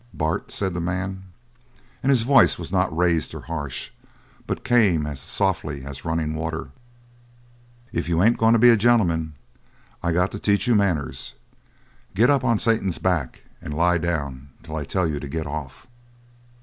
"Bart," said the man, and his voice was not raised or harsh, but came as softly as running water, "if you ain't going to be a gentleman, I got to teach you manners. Get up on Satan's back and lie down till I tell you to get off."